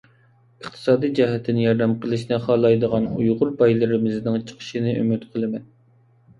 ئىقتىسادىي جەھەتتىن ياردەم قىلىشنى خالايدىغان ئۇيغۇر بايلىرىمىزنىڭ چىقىشىنى ئۈمىد قىلىمەن.